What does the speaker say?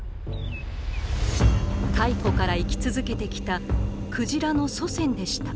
太古から生き続けてきたくじらの祖先でした。